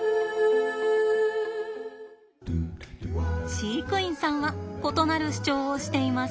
飼育員さんは異なる主張をしています。